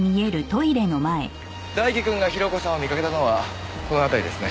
大輝くんが広子さんを見かけたのはこの辺りですね。